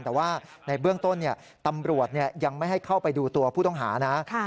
แต่ว่าในเบื้องต้นตำรวจยังไม่ให้เข้าไปดูตัวผู้ต้องหานะ